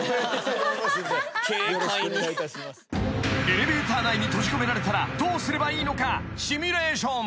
［エレベーター内に閉じ込められたらどうすればいいのかシミュレーション］